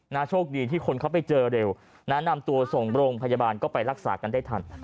โชคดีที่คนเขาไปเจอเร็วนะนำตัวส่งโรงพยาบาลก็ไปรักษากันได้ทัน